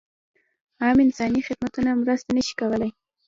عام انساني خدمتونه مرسته نه شي کولای.